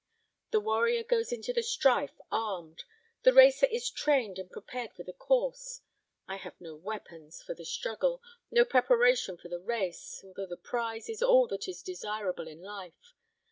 The warrior goes into the strife armed; the racer is trained and prepared for the course: I have no weapons for the struggle, no preparation for the race, although the prize is all that is desirable in life.